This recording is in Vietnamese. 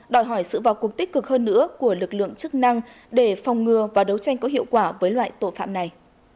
đòi hỏi sự vào cuộc tích cực hơn nữa của lực lượng chức năng để phòng ngừa và đấu tranh có hiệu quả với loại tội phạm này